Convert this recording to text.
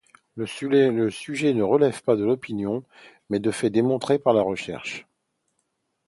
Ce sujet ne relève pas de l'opinion, mais de faits démontrés par la recherche.